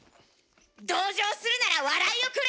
「同情するなら笑いをくれ！」。